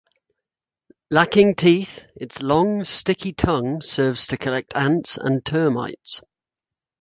Lacking teeth, its long, sticky tongue serves to collect ants and termites.